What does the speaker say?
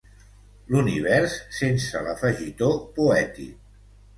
L'univers sense l'afegitó poètic.